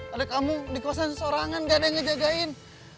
ada kamu di kosan seseorangan gak ada yang ngejagain